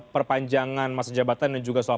perpanjangan masa jabatan dan juga soal